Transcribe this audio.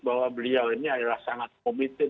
bahwa beliau ini adalah sangat komited